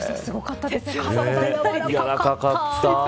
やわらかかった。